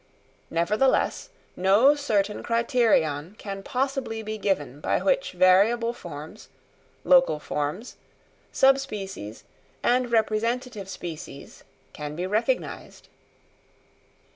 Nevertheless, no certain criterion can possibly be given by which variable forms, local forms, sub species and representative species can be recognised.